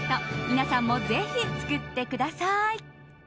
皆さんも、ぜひ作ってください。